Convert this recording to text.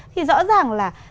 thì rõ ràng là